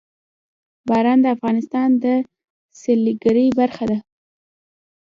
باران د افغانستان د سیلګرۍ برخه ده.